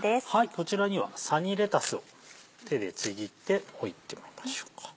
こちらにはサニーレタスを手でちぎって置いてみましょうか。